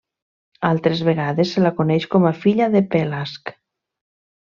Altres vegades se la coneix com a filla de Pelasg.